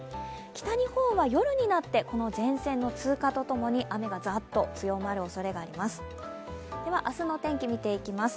北日本は夜になって、この前線の通過と共に雨がざっと強まるおそれがあります。